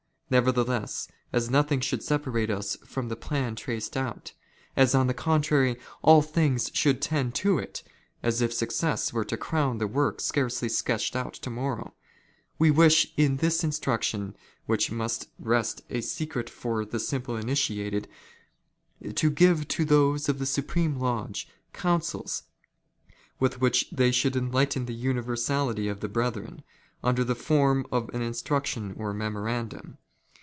Nevertheless, as nothing should separate " us from the plan traced out; as, on the contrary, all things should " tend to it,— as if success were to crown the work scarcely sketched 68 WAR OF ANTICHRIST WITH THE CHURCH. " out to moiTow, — we wish in this instruction which must rest a " secret for the simple initiated, to give to those of the Supreme " Lodge, councils with which they should enlighten the universality " of the brethren, under the form of an instruction or memorandum.